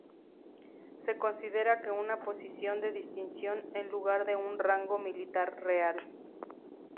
Se considera que una posición de distinción en lugar de un rango militar real.